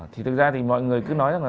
thực ra thì mọi người cứ nói rằng là